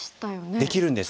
できるんです。